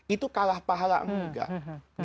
itu kalah pahala enggak